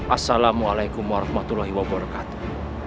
assalamualaikum warahmatullahi wabarakatuh